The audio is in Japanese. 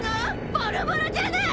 ボロボロじゃない！